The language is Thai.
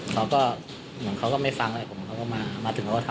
เขาก็เหมือนเขาก็ไม่ฟังอะไรผมเขาก็มาถึงเขาก็ถาม